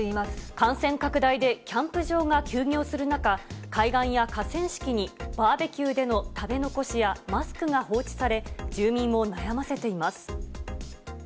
感染拡大でキャンプ場が休業する中、海岸や河川敷に、バーベキューでの食べ残しやマスクが放置され、住民を悩ませています。